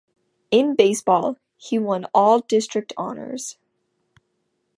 In baseball, he won All-District honors.